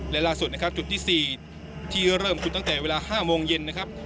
และล่าสุดนะครับจุดที่๔ที่เริ่มขุดตั้งแต่เวลา๕โมงเย็นนะครับ